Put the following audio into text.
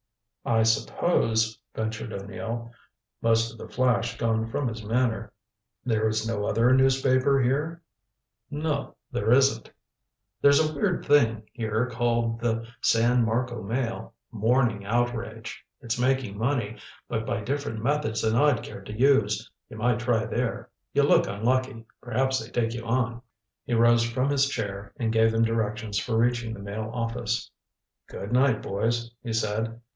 "I suppose," ventured O'Neill, most of the flash gone from his manner, "there is no other newspaper here?" "No, there isn't. There's a weird thing here called the San Marco Mail a morning outrage. It's making money, but by different methods than I'd care to use. You might try there. You look unlucky. Perhaps they'd take you on." He rose from his chair, and gave them directions for reaching the Mail office. "Good night, boys," he said.